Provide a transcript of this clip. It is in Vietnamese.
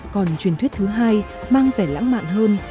còn truyền thuyết thứ hai mang vẻ lãng mạn hơn